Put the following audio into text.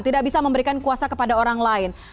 tidak bisa memberikan kuasa kepada orang lain